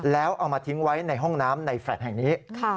แล้วเอามาทิ้งไว้ในห้องน้ำในแฟลต์แห่งนี้